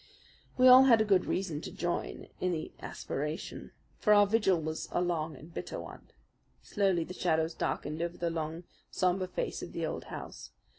We all had good reason to join in the aspiration; for our vigil was a long and bitter one. Slowly the shadows darkened over the long, sombre face of the old house.